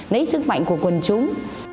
lấy sức mạnh của quần chúng